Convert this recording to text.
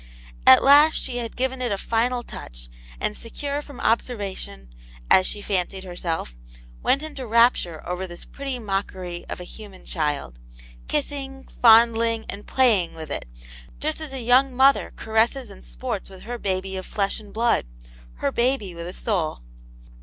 At last she had given it a final touch, and secure from observation, as she fancied herself, went into rapture ^rer this pretty mockery of a Wrnaxv c5ci\\A,k\^^\3:v^^ Aunt Janets Hero, 2i fondling and playing with it just as a young mother caresses and sports with her baby of flesh and blood — her baby with a soul.